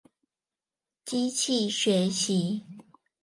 機器學習